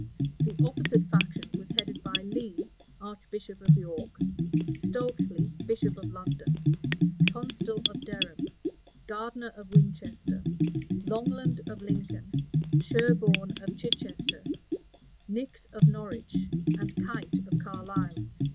The opposite faction was headed by Lee, archbishop of York, Stokesley, bishop of London, Tonstal of Durham, Gardner of Winchester, Longland of Lincoln, Sherborne of Chichester, Nix of Norwich, and Kite of Carlisle.